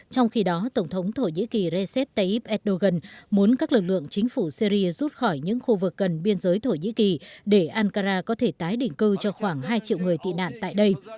trong khi đó tổng thống thổ nhĩ kỳ recep tayyip erdogan muốn các lực lượng chính phủ syri rút khỏi những khu vực gần biên giới thổ nhĩ kỳ để ankara có thể tái định cư cho khoảng hai triệu người tị nạn tại đây